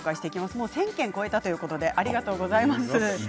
１０００件を超えたということでありがとうございます。